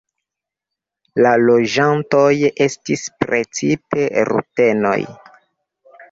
La loĝantoj estis precipe rutenoj.